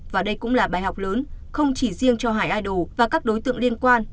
và đây cũng là bài học lớn không chỉ riêng cho hải idol và các đối tượng liên quan